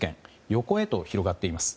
横へと広がっています。